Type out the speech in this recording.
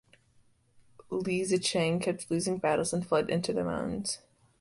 Li Zicheng kept losing battles and fled into the mountains.